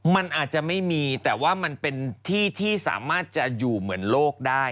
มันอาจจะไม่มีแต่ว่ามันเป็นที่ที่สามารถจะอยู่เหมือนโลกได้